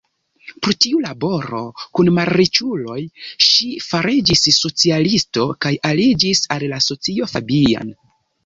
Pro tiu laboro kun malriĉuloj, ŝi fariĝis socialisto kaj aliĝis al la Socio Fabian.